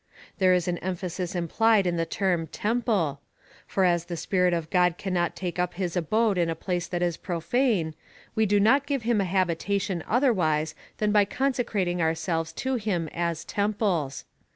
There is an emphasis implied in the term tetnple ; for as the Spirit of Grod cannot take up his abode in a place that is profane, we do not give him a habitation otherwise than by consecrating ourselves to him as temples.